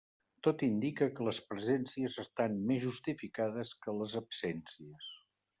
Tot indica que les presències estan més justificades que les absències.